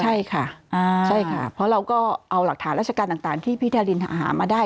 ใช่ค่ะใช่ค่ะเพราะเราก็เอาหลักฐานราชการต่างที่พี่ทารินหามาได้